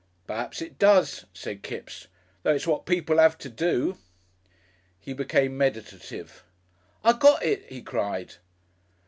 "Perhaps it does," said Kipps. "Though it's what people 'ave to do." He became meditative. "I got it!" he cried.